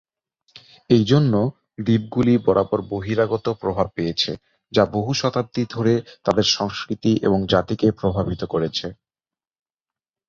এইজন্য, দ্বীপগুলি বরাবর বহিরাগত প্রভাব পেয়েছে, যা বহু শতাব্দী ধরে তাদের সংস্কৃতি এবং জাতিকে প্রভাবিত করেছে।